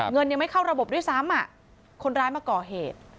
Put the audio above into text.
เงินยังไม่เข้าระบบด้วยซ้ำคนร้ายมาก่อเหตุ